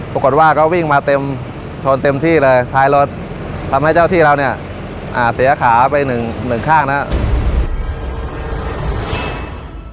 ปรากฏว่าก็วิ่งมาเต็มชนเต็มที่เลยท้ายรถทำให้เจ้าที่เราเนี่ยเสียขาไปหนึ่งข้างนะครับ